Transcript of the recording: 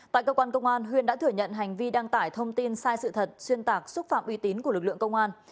tại cơ quan công an huyên đã thừa nhận hành vi đăng tải thông tin sai sự thật xuyên tạc xúc phạm uy tín của lực lượng công an